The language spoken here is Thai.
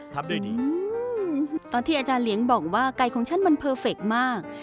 ได้ดีตอนที่อาจารย์เหลียงบอกว่าไก่ของฉันมันเพอร์เฟคมาก